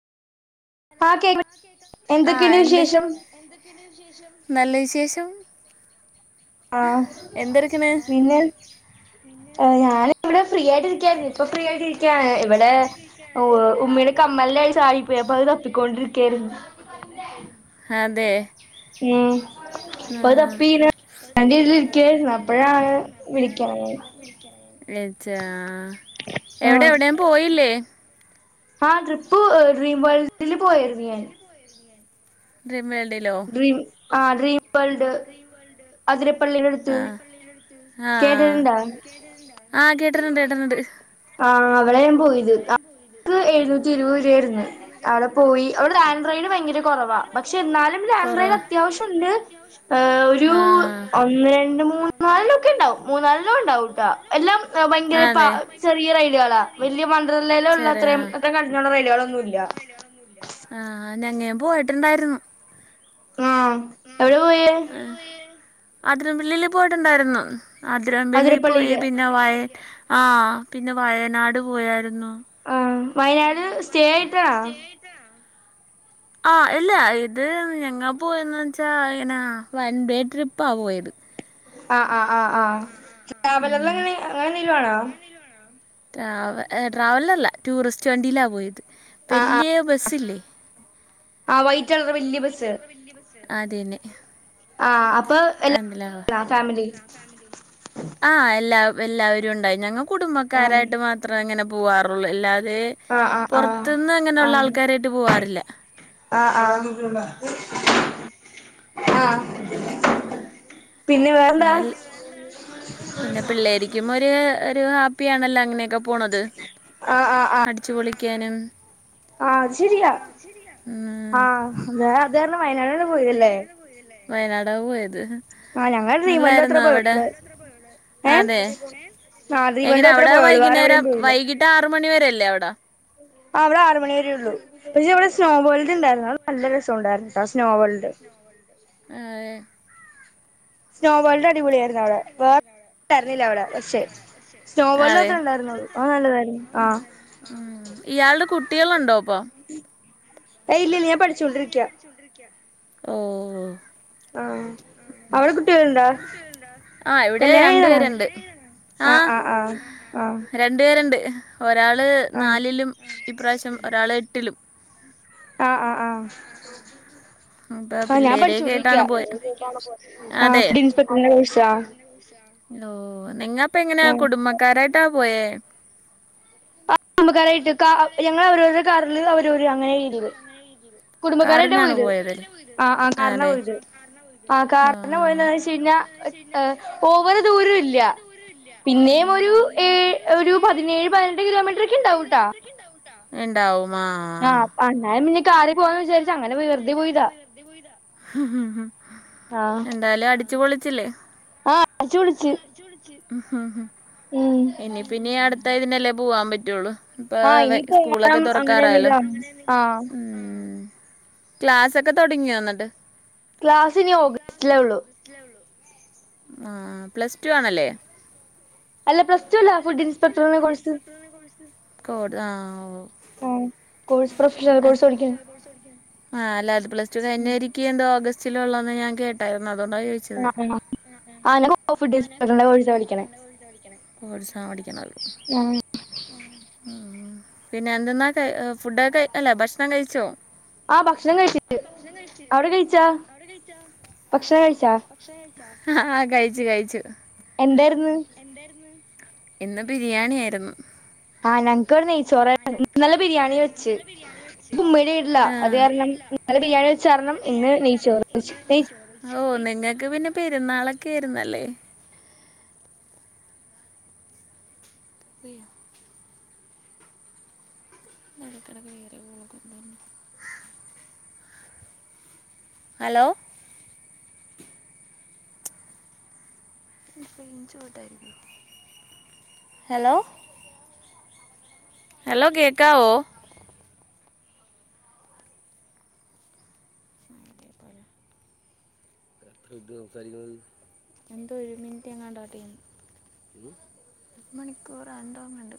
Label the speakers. Speaker 1: Hello ആഹ് കേക്ക്ന്ന്ണ്ട് ആഹ്
Speaker 2: എന്തൊക്കെയുണ്ട്
Speaker 1: എന്ത്‌
Speaker 2: വിശേഷം
Speaker 1: എന്തൊക്കെ ഉണ്ട് വിശേഷം നല്ല വിശേഷം
Speaker 2: ആഹ്
Speaker 1: എന്തെടുക്കണ്
Speaker 2: പിന്നെ ഞാൻ ഇവിടെ ഫ്രീ ആയിട്ടിരിക്കായിരുന്നു ഇപ്പൊ ഫ്രീ ആയിട്ടിരിക്കാണ് ഇവിടെ ഉമ്മീടെ കമ്മലിന്റെ അത് തപ്പിക്കൊണ്ടിരിക്കായിരുന്നു
Speaker 1: അ അതെ
Speaker 2: ഉം
Speaker 1: ആ
Speaker 2: അപ്പൊ അത് തപ്പി
Speaker 1: അത്
Speaker 2: ഇങ്ങനെ
Speaker 1: തപ്പിഅയ്ന്റെ
Speaker 2: ഇരിക്കായിരുന്നു
Speaker 1: ത്
Speaker 2: അപ്പോഴാണ്
Speaker 1: ഇരിക്കയിരുന്നു
Speaker 2: വിളിക്കണ
Speaker 1: അപ്പയാണ്
Speaker 2: ഞാൻ
Speaker 1: വിളിക്ക്ണ വിളിച്ചാ ആ എവിടെ
Speaker 2: ആഹ്
Speaker 1: എവിടെ പോയില്ലേ
Speaker 2: ആഹ് ട്രിപ്പ് ഡ്രീം വേൾഡില് പോയിരുന്നു ഞാൻ
Speaker 1: ഡ്രീം വേൾഡിലോ
Speaker 2: ഡ്രം ആ ഡ്രീം വേൾഡ് അതിരപ്പള്ളിടെടുത്ത്
Speaker 1: ആഹ ആഹ കേട്ടിട്ടുണ്ട് കേട്ടിട്ടുണ്ട്
Speaker 2: ആഹ അവെള ഞാൻ പോയത് അവക്ക് എഴുന്നൂറ്റി ഇരുപത് രൂപയായിരെന്ന് അവിടെ പോയി അവിടെ ആൻഡ്രോയിഡ് ഭയങ്കര കുറവാ പക്ഷെ എന്നാലും
Speaker 1: കുറവാ.
Speaker 2: ആന്ധ്രയിൽ അത്യാവശ്യമുണ്ട് ഏ ഒരു
Speaker 1: ആ
Speaker 2: ഒന്ന് രണ്ട് മൂന്ന് നാലൊക്കെ ഉണ്ടാവും മൂന്നാലെണ്ണം ഉണ്ടാവും ട്ടൊ എല്ലാം ഭയങ്കര
Speaker 1: ആ, അതെ
Speaker 2: ചെറിയ റെയ്ഡുകളാ വലിയ
Speaker 1: ചെറിയ
Speaker 2: വട്രല്ലയിലുള്ളത്രയും ഇന്നത്തെ കഴിഞ്ഞുള്ള റൈഡ്കളൊന്നും ഇല്ല
Speaker 1: ആഹ് ഞങ്ങൻ പോയിട്ടുണ്ടായിരുന്നു
Speaker 2: ഉംഎവിടെ പോയേ
Speaker 1: അതിര പള്ളില് പോയിട്ടുണ്ടായിരുന്നു ആതിര പള്ളി പോയി
Speaker 2: അതിരപ്പള്ളിയില്
Speaker 1: പിന്നെ വയ ആ പിന്നെ വയനാട് പോയായിരുന്നു
Speaker 2: ആഹ് വയനാട് സ്റ്റേ ആയിട്ടാ
Speaker 1: ഇണ്ണ ആ ഇല്ല ഇത് ഞങ്ങൾ പോയെന്ന വെച്ചാൽ ഇങ്ങനെ വൺഡേ ട്രിപ്പാ പോയത്
Speaker 2: ആ ആ ആ ആ്
Speaker 1: ഉം
Speaker 2: ട്രാവലറിനാണെ അങ്ങനെ എന്തെങ്കിലും ആണോ
Speaker 1: ട്രാവ ട്രാവലില്ല ടൂറിസ്റ്റ് വണ്ടിയിലാ പോയത് വലിയ ബസ്സില്ലേ
Speaker 2: ആഹ വൈറ്റ് കളർ വലിയ ബസ്
Speaker 1: അതന്നെ
Speaker 2: ആഹ അപ്പൊ
Speaker 1: ആഹ്
Speaker 2: എല്ലാ ഫാമിലി
Speaker 1: ആഹ എല്ലാ എല്ലാവരും ഉണ്ടായി ഞങ്ങ
Speaker 2: ആഹ്
Speaker 1: കുടുംബക്കാരായിട്ട് മാത്ര അത്ര അങ്ങനെ പോവാറുള്ളൂ അല്ലാതെ
Speaker 2: ആഹ് ആഹ്
Speaker 1: പുറത്തുന്ന് അങ്ങനെയുള്ള ആൾക്കാരായിട്ട് പോവാറില്ല
Speaker 2: ആഹ ആഹ് ആഹ
Speaker 1: അൽ വെണ്ടാ പിന്നെ പിള്ളേരിക്കും ഒരു ഒരു ഹാപ്പിയാണല്ലോ അങ്ങനെയൊക്കെ പോണത്
Speaker 2: ആഹ് ആഹ് ആഹ്
Speaker 1: അടിച്ചു പൊളിക്കാനും
Speaker 2: ആഹ അത് ശെരിയാ
Speaker 1: ഉം ആഹ്
Speaker 2: ആഹ അ അത് കാരണം വയനാടാണ് പോയതല്ലേ
Speaker 1: വയനാടാ പോയത്
Speaker 2: ആ ഞങ്ങൾ ഡ്രീംവേൾഡ് അത്ര
Speaker 1: നല്ലായിരുന്നോ
Speaker 2: പോയത്
Speaker 1: അവിടെ
Speaker 2: ഏഹ്
Speaker 1: അതെ
Speaker 2: ഡ്രീം
Speaker 1: എങ്ങനെ
Speaker 2: വേൾഡ് മാത്രേ
Speaker 1: അവിടെ
Speaker 2: പോയുള്ളൂ വേറെ എവിടേം
Speaker 1: വൈകുന്നേരം
Speaker 2: പോയില്ല
Speaker 1: വൈകിട്ട് ആറ് മണിവരെയല്ലേ അവിടെ
Speaker 2: അവിടെ ആറ് മണി വരെയുള്ളൂ പിന്നവിടെ സ്നോവേൾഡ് ഉണ്ടായിരുന്നു അത് നല്ല രസം ഉണ്ടായിരുന്നുട്ടോ ആ സ്നോവേൾഡ്
Speaker 1: ഏഹ്
Speaker 2: സ്‌നോവേൾഡ് അടിപൊളിയായിരുന്നു അവിടെ വേറൊന്നും ഉണ്ടായിരുന്നില്ല അവിടെ പക്ഷെ സ്‌നോവേൾഡ്
Speaker 1: അതെ
Speaker 2: മാത്രേ ഉണ്ടായിരുന്നുള്ളൂ അത് നല്ലതായിരുന്നു ആഹ്
Speaker 1: ഉം ഇയാളുടെ കുട്ടികളുണ്ടോ ഇപ്പൊ
Speaker 2: ഏയ്‌ ഇല്ലില്ല ഞാൻ പഠിച്ചോണ്ടിരിക്ക
Speaker 1: ച്ചോണ്ടിരിക്ക ഓഹ്
Speaker 2: അവടെ കുട്ടികൾ ഉണ്ടോ
Speaker 1: ആ ഇവിടെ
Speaker 2: കല്യാണം കയിഞ്ഞതാണോ
Speaker 1: രണ്ടുപേരുണ്ട്
Speaker 2: ആഹ് ആഹ് ആഹ് ആഹ്
Speaker 1: രണ്ട് പേരുണ്ട് ഒരാള്
Speaker 2: ആഹ്
Speaker 1: നാലിലും ഇപ്രാവശ്യം ഒരാള് എട്ടിലും
Speaker 2: ആഹ് ആഹ് ആഹ്
Speaker 1: അപ്പൊ
Speaker 2: ആഹ് ഞാൻ
Speaker 1: പിള്ളേരെയൊക്കെ ആയിട്ടാണ്
Speaker 2: പഠിച്ചോണ്ടിരിക്ക
Speaker 1: പോയത്
Speaker 2: ഫുഡ്‌ ഇൻസ്‌പെക്ടറ്‍ന്റെ കോഴ്സ് ആഹ്
Speaker 1: ഓഹ് നിങ്ങപ്പ എങ്ങനെയാ
Speaker 2: ആഹ്
Speaker 1: കുടുംബക്കാരായിട്ടാ പോയേ
Speaker 2: ക്കാരായിട്ടൊക്കാ ഞങ്ങള് അവരവരുടെ കാറിൽ അവരവര് അങ്ങനെ രീതില് കുടുംബക്കാരായിട്ടാ പോയത് ആ ആ കാറിനാ
Speaker 1: അതെ
Speaker 2: പോയത് ആ കാറിനാ പോയ ന്നെച്ച [unintelligible] ഏഹ് ഓവറ് ദൂരോല്ല പിന്നെയും ഒരു ഏഹ് ഒരു പതിനേഴ് പതിനെട്ട് കിലോമീറ്ററൊക്കെണ്ടാവൂട്ടോ
Speaker 1: ഇണ്ടാവും
Speaker 2: ആഹ് അന്നായും പിന്നെ കാറി പോവാന്ന് വിചാരിച്ചു അങ്ങനെ വെറുതെ പോയതാ
Speaker 1: വെറുതെ പോയത
Speaker 2: ആഹ്
Speaker 1: എന്തായാലും അടിച്ച് പൊളിച്ചില്ലേ
Speaker 2: ആഹ് അടിച്ച് പൊളിച്ച് ഉം
Speaker 1: ഇനി പിന്നെ അടുത്ത ഇതിനല്ലേ പോവാൻ പറ്റുള്ളു ഇപ്പ
Speaker 2: ആഹ് ഇനിയിപ്പോ
Speaker 1: സ്കൂളൊക്കെ
Speaker 2: ഓണം അങ്ങനെ
Speaker 1: തുറക്കാറായല്ലോ
Speaker 2: എന്തെങ്കിലും ആവും ആഹ്
Speaker 1: ഉം ക്ലാസൊക്കെ തുടങ്ങിയോ ന്നിട്ട്
Speaker 2: ക്ലാസ് ഇനി ഓഗസ്റ്റിലേ ഉള്ളു
Speaker 1: റ്റിലൊള്ളൂ ആഹ് പ്ലസ് ടു ആണല്ലേ
Speaker 2: അല്ല പ്ലസ് ടു
Speaker 1: അല്ല
Speaker 2: ഫുഡ്
Speaker 1: പ്ലസ് ടു അല്ല
Speaker 2: ഇൻസ്പെക്ടറിന്റെ
Speaker 1: ഫുഡ്‌
Speaker 2: കോഴ്സ്
Speaker 1: ഇൻസ്‌പെക്ടർടെ കോഴ്സ്
Speaker 2: ആഹ് കോഴ്സ് പ്രൊഫഷണൽ കോഴ്സ് പടിക്ക്ണ്
Speaker 1: [unintelligible] ആഹ് അല്ലാത് പ്ലസ് ടു കഴിഞ്ഞവരിക്ക് എന്ത ഓഗസ്റ്റിലൊള്ളന്ന് ഞാൻ കേട്ടായിരുന്നു അതൊണ്ടാ ചോദിച്ചത്
Speaker 2: ആഹ് ആഹ് ആ ഞാൻ ഫുഡ്
Speaker 1: ആഹ് ഞാൻ കോ
Speaker 2: ഇൻസ്പെക്ടറിന്റെ
Speaker 1: ഫുഡ്‌
Speaker 2: കോഴ്സാ പഠിക്കണേ
Speaker 1: ഇൻസ്‌പെക്ടറ്‍ന്റെ കോഴ്സ പഠിക്കുന്നത്
Speaker 2: ആഹ്
Speaker 1: ഉം പിന്നെ എന്തെന്നാ ഫുഡക്കെ അല്ല ഭക്ഷണം കഴിച്ചോ?
Speaker 2: ആ ഭക്ഷണം കഴിച്ച് അവ്ടെ കഴിച്ചോ ഭക്ഷണം കഴിച്ചോ?
Speaker 1: ആഹ് കഴിച്ചു കഴിച്ചു
Speaker 2: എന്തേർന്നു
Speaker 1: ഇന്ന് ബിരിയാണി ആയിരുന്നു
Speaker 2: ആഹ് ഞഞക്ക്വ്ടെ നെയ്ചോറായിരുന്നു ഇന്നലെ ബിരിയാണി വെച്ച് ഉമ്മടെ വീടിലാ
Speaker 1: ആ
Speaker 2: അത് കാരണം ഇന്നലെ ബിരിയാണി വെച്ച് കാരണം ഇന്ന് നെയ് ചോർ വെച്
Speaker 1: ഓ നിങ്ങൾക്ക് പിന്നെ പെരുന്നാളൊക്കൊയിരുന്നല്ലേ ഉം ഇ ഇടയ്ക്കിടയ്ക്ക് വേറെ കൊണ്ടന്നു [unintelligible] ഹെലോ [unintelligible] ഹലോ ഹലോ കേൾക്കാവോ എന്തോ ഒരു മിനിറ്റ് ഏങ്ങാണ്ടാർട്ട് ടൈം മണിക്കൂർ എന്തോ ഒന്നുണ്ട്